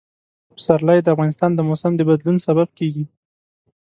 پسرلی د افغانستان د موسم د بدلون سبب کېږي.